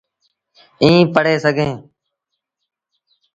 ائيٚݩ پڙهي سگھيٚن۔